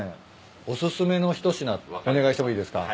お薦めの一品お願いしてもいいですか？